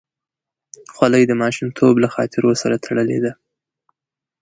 خولۍ د ماشومتوب له خاطرو سره تړلې ده.